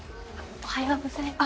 おはようございます。